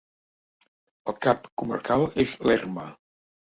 El cap comarcal és Lerma.